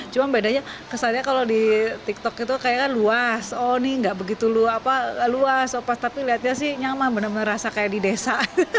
cuma bedanya kesannya kalau di tiktok itu kayaknya luas oh ini nggak begitu luas tapi lihatnya sih nyaman benar benar rasa kayak di desa